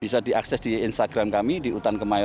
bisa diakses di instagram kami di utangkota com